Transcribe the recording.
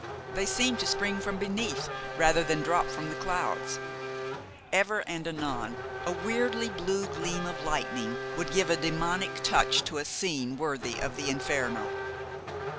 They seemed to spring from beneath rather than drop from the clouds. Ever and anon a weirdly blue gleam of lightning would give a demoniac touch to a scene worthy of the Inferno.